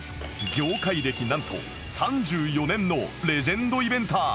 業界歴なんと３４年のレジェンドイベンター！